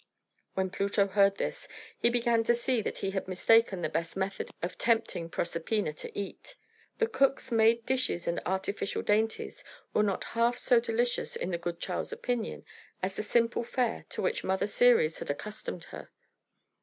When Pluto heard this, he began to see that he had mistaken the best method of tempting Proserpina to eat. The cook's made dishes and artificial dainties were not half so delicious in the good child's opinion as the simple fare to which Mother Ceres had accustomed her.